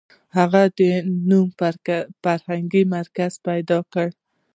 • د هغه نوم فرهنګي مرکزیت پیدا کړ.